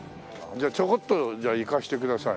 ちょこっとじゃあ行かせてください。